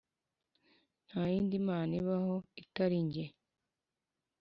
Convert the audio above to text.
nta yindi mana ibaho, itari jye.